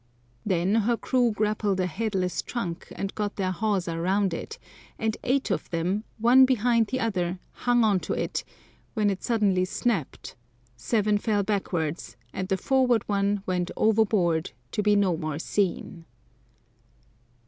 Then her crew grappled a headless trunk and got their hawser round it, and eight of them, one behind the other, hung on to it, when it suddenly snapped, seven fell backwards, and the forward one went overboard to be no more seen.